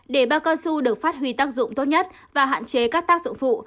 để ba cao su được phát huy tác dụng tốt nhất và hạn chế các tác dụng phụ